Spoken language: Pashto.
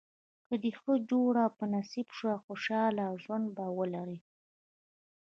که دې ښه جوړه په نصیب شوه خوشاله ژوند به ولرې.